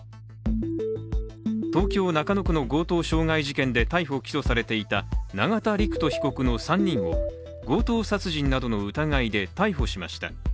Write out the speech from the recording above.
東京・中野区の強盗傷害事件で逮捕・起訴されていた永田陸人被告の３人を強盗殺人などの疑いで逮捕しました。